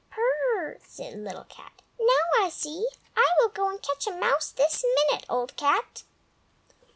"Prrr!" said Little Cat; "now I see. I will go and catch a mouse this minute, Old Cat."